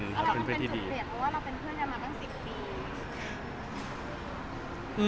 เพราะว่าเป็นเพื่อนยังมาแปลงสิบปี